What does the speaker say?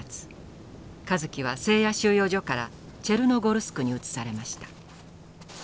香月はセーヤ収容所からチェルノゴルスクに移されました。